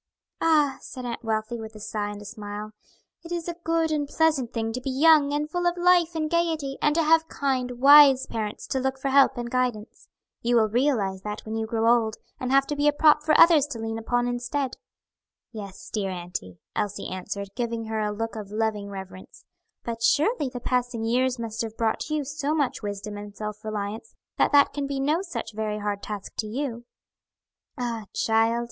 "Ah!" said Aunt Wealthy with a sigh and a smile, "it is a good and pleasant thing to be young and full of life and gayety, and to have kind, wise parents to look to for help and guidance. You will realize that when you grow old and have to be a prop for others to lean upon instead." "Yes, dear auntie," Elsie answered, giving her a look of loving reverence, "but surely the passing years must have brought you so much wisdom and self reliance that that can be no such very hard task to you." "Ah, child!"